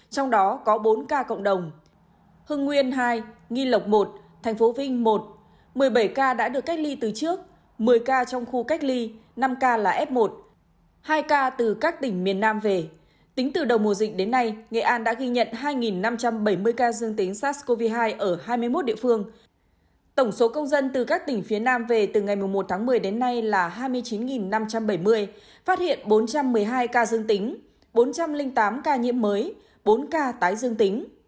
tổng số công dân từ các tỉnh phía nam về từ ngày một mươi một tháng một mươi đến nay là hai mươi chín năm trăm bảy mươi phát hiện bốn trăm một mươi hai ca dương tính bốn trăm linh tám ca nhiễm mới bốn ca tái dương tính